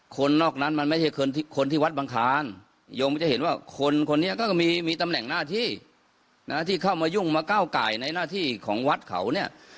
คนนอกนั้นมันไม่ใช่คนที่วัดบังคาร